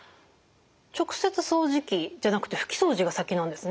直接掃除機じゃなくて拭き掃除が先なんですね。